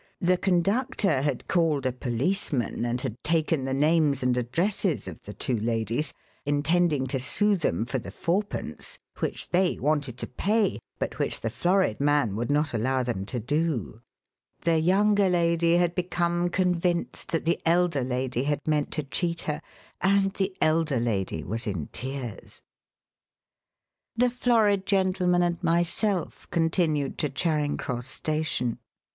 The conductor had called a policeman and had taken the names and addresses of the two ladies, intending to sue them for the fourpence (which they wanted to pay, but which the florid man would not allow them to do); the younger lady had become convinced that the elder lady had meant to cheat her, and the elder lady was in tears. The florid gentleman and myself continued to Charing Cross Station.